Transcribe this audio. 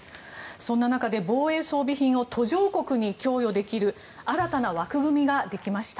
そんな中で防衛装備品を途上国に供与できる新たな枠組みができました。